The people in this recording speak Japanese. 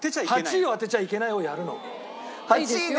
「８位を当てちゃいけない」をやるの。